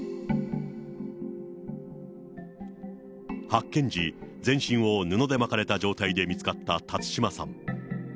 発見時、全身を布で巻かれた状態で見つかった辰島さん。